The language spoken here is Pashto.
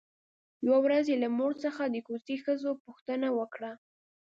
يوه ورځ يې له مور څخه د کوڅې ښځو پوښتنه وکړه.